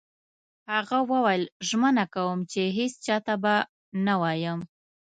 هغه وویل: ژمنه کوم چي هیڅ چا ته به نه وایم.